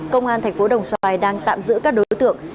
công an tp đồng xoài đang tạm giữ các đối tượng